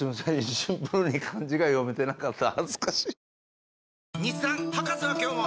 シンプルに漢字が読めてなかった恥ずかしい。